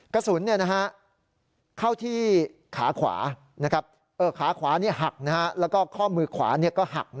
กระสุนเข้าที่ขาขวาขาขวาหักแล้วก็ข้อมือขวาก็หัก